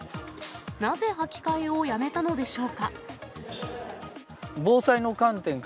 なぜ履き替えをやめたのでしょうか。